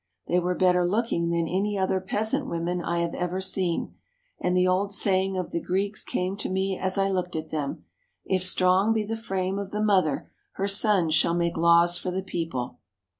They were better looking than any other peasant women I have ever seen, and the old saying of the Greeks came to me as I looked at them: "If strong be the frame of the mother, her sons shall make laws for the people."